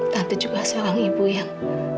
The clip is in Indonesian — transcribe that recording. tapi juga seorang ibu yang